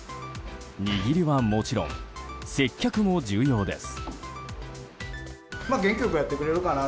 握りはもちろん接客も重要です。